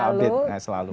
udah update nah selalu